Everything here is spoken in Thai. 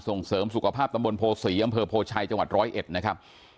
ส่งเสริมสุขภาพตำบลโพศีอำเภอโพชัยจังหวัดร้อยเอ็ดนะครับ